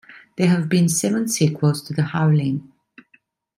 There have been seven sequels to "The Howling".